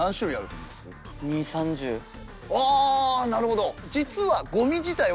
あぁなるほど。